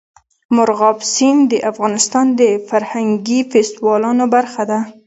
مورغاب سیند د افغانستان د فرهنګي فستیوالونو برخه ده.